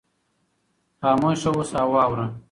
خاموشه اوسه او واوره.